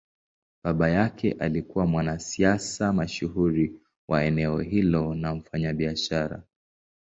Baba yake alikuwa mwanasiasa mashuhuri wa eneo hilo na mfanyabiashara.